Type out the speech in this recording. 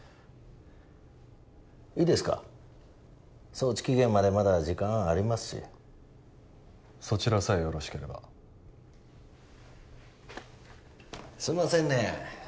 送致期限までまだ時間ありますしそちらさえよろしければすんませんねえ